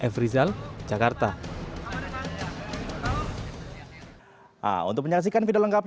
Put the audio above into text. f rizal jakarta